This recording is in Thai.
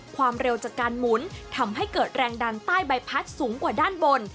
ความเร็วจากการหมุนทำให้เกิดแรงดันใต้ใบพัดสูงกว่าด้านบน